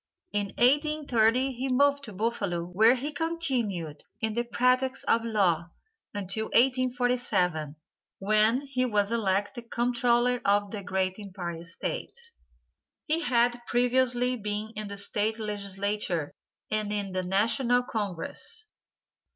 In 1830 he moved to Buffalo where he continued in the practice of law until 1847, when he was elected Comptroller of the great Empire State. He had previously been in the State legislature and in the national congress.